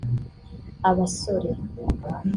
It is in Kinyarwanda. Abasore